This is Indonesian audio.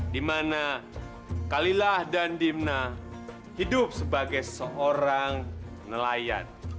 di mana kalilah dan dimna hidup sebagai seorang nelayat